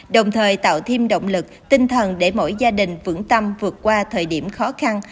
đồng thời tạo thêm động lực tinh thần để mỗi gia đình vững tâm vượt qua thời điểm khó khăn